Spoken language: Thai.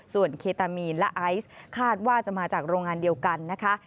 ส่วนเคตามีนและไอซ์คาดว่าจะมาจากโรงงานเดียวกันนะคะ